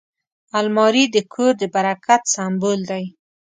الماري د کور د برکت سمبول دی